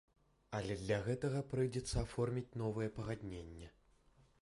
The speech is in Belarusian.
Але для гэтага прыйдзецца аформіць новае пагадненне.